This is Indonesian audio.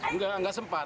enggak enggak sempat